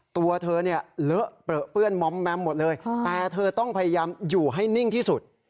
ตัวเธอเนี่ยเลอะเปลือเปื้อนมอมแมมหมดเลยแต่เธอต้องพยายามอยู่ให้นิ่งที่สุด